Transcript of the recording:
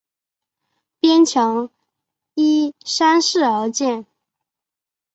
边墙依山势而建。